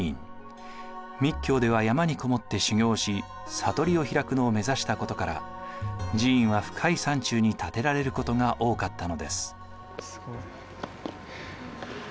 密教では山にこもって修行し悟りを開くのを目指したことから寺院は深い山中に建てられることが多かったのです。